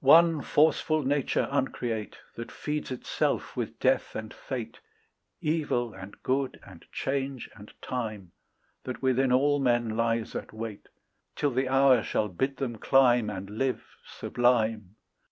One forceful nature uncreate That feeds itself with death and fate, Evil and good, and change and time, That within all men lies at wait Till the hour shall bid them climb And live sublime.